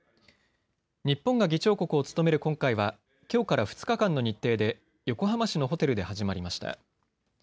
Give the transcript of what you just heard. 日本が議長国を務める今回はきょうから２日間の日程で横浜市のホテルで始まりました。